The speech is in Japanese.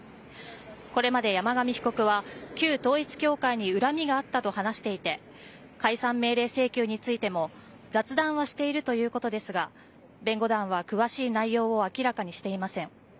これまで山上被告は旧統一教会に恨みがあったと話していて解散命令請求についても雑談はしているということですが弁護団は詳しい内容を明らかにしていません。